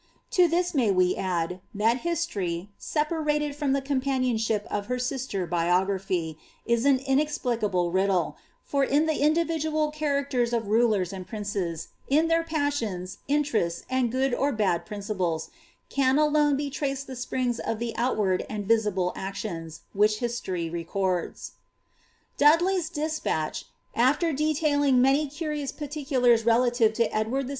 '' To this may we add, that history, separated from the cooipanionship of her sister biography, is an inexplicable riddle ; for in the individual characters of rulers and princes, in their passions, interests, and good or bad principles, can alone be traced the springs of the out ward and visible actions, which history records. Dudley's despatch, after detailing many curious particulars relative to Edwani VI.